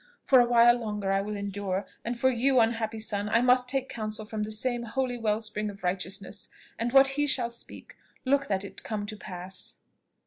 For a while longer I will endure; and for you, unhappy son, I must take counsel from the same holy well spring of righteousness, and what he shall speak, look that it come to pass."